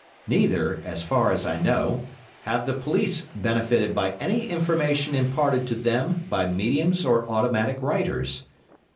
Neither, as far as I know, have the police benefited by any information imparted to them by mediums or automatic writers.